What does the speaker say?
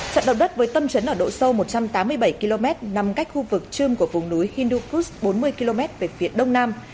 trận động đất với tâm trấn ở độ sâu một trăm tám mươi bảy km nằm cách khu vực trơm của vùng núi hindukus bốn mươi km về phía đông nam